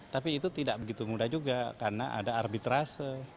tapi itu tidak begitu mudah juga karena ada arbitrase